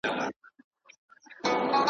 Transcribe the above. تر اسمانه وزرونه د ختلو .